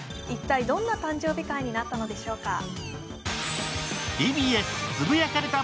一体どんな誕生日会になったのでしょうか。